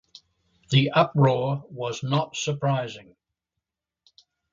The uproar was not surprising.